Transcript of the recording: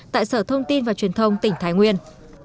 tại sở thông tin và truyền thông tỉnh thái nguyên